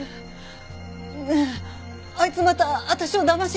ねえあいつまた私をだましに来るの？